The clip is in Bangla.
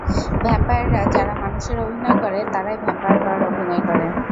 ভ্যাম্পায়াররা যারা মানুষের অভিনয় করে তারাই ভ্যাম্পায়ার হওয়ার অভিনয় করে।